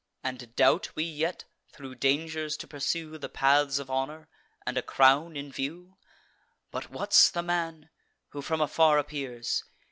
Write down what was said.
And doubt we yet thro' dangers to pursue The paths of honour, and a crown in view? But what's the man, who from afar appears?